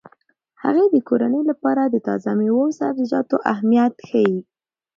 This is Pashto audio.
هغې د کورنۍ لپاره د تازه میوو او سبزیجاتو اهمیت ښيي.